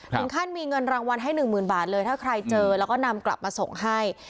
ถึงขั้นมีเงินรางวัลให้หนึ่งหมื่นบาทเลยถ้าใครเจอแล้วก็นำกลับมาส่งให้